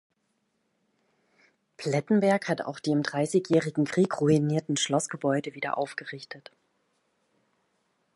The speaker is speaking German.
Plettenberg hat auch die im Dreißigjährigen Krieg ruinierten Schlossgebäude wieder aufgerichtet.